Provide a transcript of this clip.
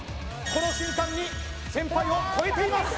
この瞬間に先輩を超えています